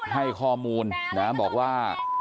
ให้ข้อมูลนะบอกว่า